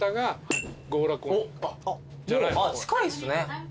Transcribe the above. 近いですね。